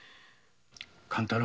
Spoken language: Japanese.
勘太郎。